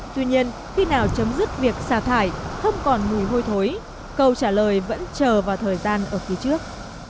tuy nhiên khi nào chấm dứt việc xả thải không còn mùi hôi thối câu trả lời vẫn chờ vào thời gian ở phía trước